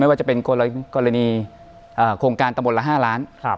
ว่าจะเป็นกรณีโครงการตำบลละ๕ล้าน